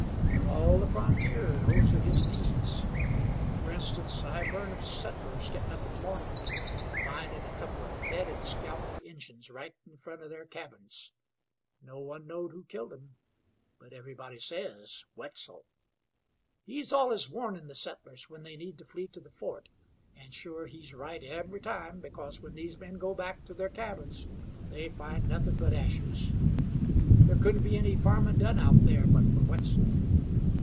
But all the frontier knows of his deeds. Fer instance, I've hearn of settlers gettin' up in the mornin' an' findin' a couple of dead and scalped Injuns right in front of their cabins. No one knowed who killed 'em, but everybody says 'Wetzel.' He's allus warnin' the settlers when they need to flee to the fort, and sure he's right every time, because when these men go back to their cabins they find nothin' but ashes. There couldn't be any farmin' done out there but fer Wetzel."